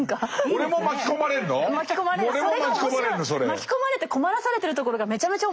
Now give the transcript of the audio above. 巻き込まれて困らされてるところがめちゃめちゃ面白いんですよ。